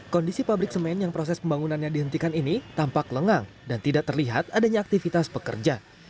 kondisi pabrik semen yang proses pembangunannya dihentikan ini tampak lengang dan tidak terlihat adanya aktivitas pekerja